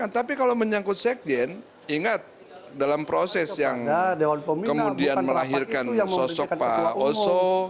tapi kalau menyangkut sekjen ingat dalam proses yang kemudian melahirkan sosok pak oso